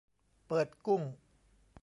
เปิดกุ้ง